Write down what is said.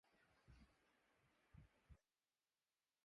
ظاہر ہوا کہ داغ کا سرمایہ دود تھا